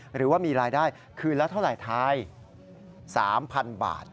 หรือว่ามีรายได้คืนละเท่าไหร่ทาย๓๐๐๐บาท